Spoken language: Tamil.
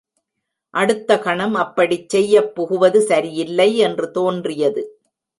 அடுத்த கணம் அப்படிச் செய்யப் புகுவது சரியில்லை என்று தோன்றியது.